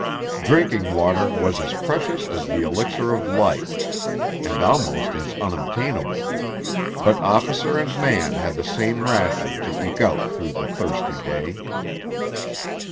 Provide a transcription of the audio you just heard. Drinking water was as precious as the elixir of life, and almost as unobtainable, but officer and man had the same ration to eke out through the thirsty day.